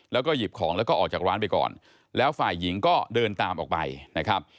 แล้วก็หยิบของแล้วก็ออกจากร้านไปก่อนแล้วฝ่ายหญิงก็เดินตามออกไปนะครับ